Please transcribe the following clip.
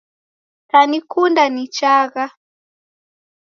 Kanikunda nichagha